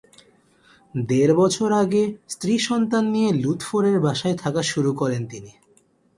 দেড় বছর আগে স্ত্রী-সন্তান নিয়ে লুৎফোরের বাসায় থাকা শুরু করেন তিনি।